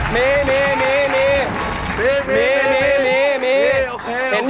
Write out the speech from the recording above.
ตรง